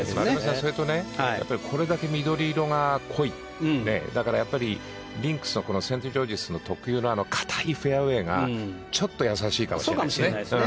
それとこれだけ緑色が濃いとだからリンクスセントジョージズ特有の硬いフェアウェーがちょっと優しいかもしれないですね。